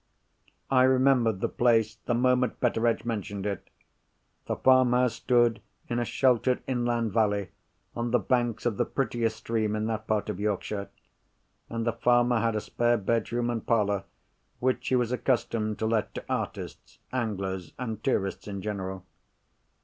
I remembered the place the moment Betteredge mentioned it. The farm house stood in a sheltered inland valley, on the banks of the prettiest stream in that part of Yorkshire: and the farmer had a spare bedroom and parlour, which he was accustomed to let to artists, anglers, and tourists in general.